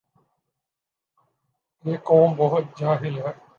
یہ قوم بہت جاہل ھے